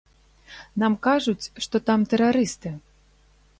Нам кажуць, што там тэрарысты.